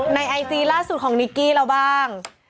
ไอจีล่าสุดของนิกกี้เราบ้าง